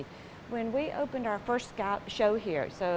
ketika kami membuka pembukaan pertama kami di sini